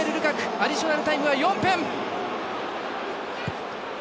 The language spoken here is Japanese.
アディショナルタイムは４分。